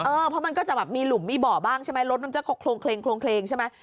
เพราะมันก็จะแบบมีหลุมมีบ่อบ้างใช่ไหมรถมันจะโครงใช่ไหม